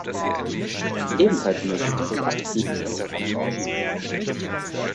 Ebenfalls möglich ist das Abziehen des Untergrundrauschens.